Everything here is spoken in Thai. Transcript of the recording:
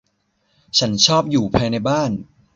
ฉันชอบอยู่ภายในบ้าน